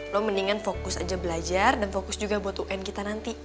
lo mendingan fokus aja belajar dan fokus juga buat un kita nanti